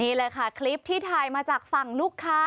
นี่แหละค่ะคลิปที่ถ่ายมาจากฝั่งลูกค้า